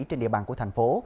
trên địa bàn của thành phố